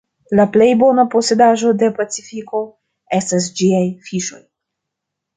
La plej bona posedaĵo de Pacifiko estas ĝiaj fiŝoj.